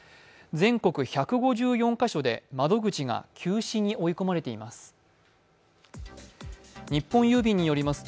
全国１５４カ所で窓口が休止に追い込まれています。